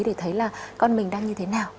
để thấy là con mình đang như thế nào